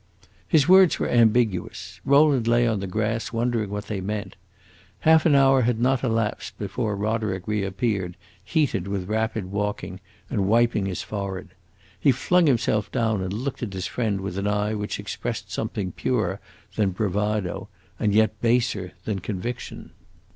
His words were ambiguous; Rowland lay on the grass, wondering what they meant. Half an hour had not elapsed before Roderick reappeared, heated with rapid walking, and wiping his forehead. He flung himself down and looked at his friend with an eye which expressed something purer than bravado and yet baser than conviction.